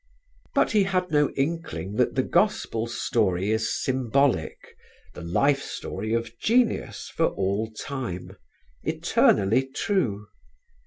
But he had no inkling that the Gospel story is symbolic the life story of genius for all time, eternally true.